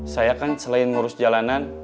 saya kan selain ngurus jalanan